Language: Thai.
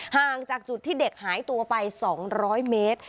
ห่างจากจุดที่เด็กหายตัวไป๒๐๐เมตร